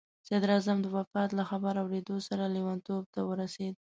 صدراعظم د وفات له خبر اورېدو سره لیونتوب ته ورسېد.